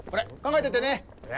え。